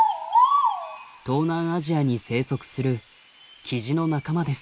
東南アジアに生息するキジの仲間です。